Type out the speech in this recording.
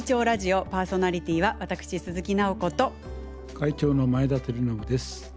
会長の前田晃伸です。